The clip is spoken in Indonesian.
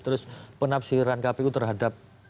terus penafsiran kpu terhadap